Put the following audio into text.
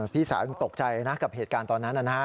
พี่สาวคงตกใจนะกับเหตุการณ์ตอนนั้นนะฮะ